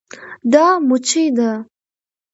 دا مچي ده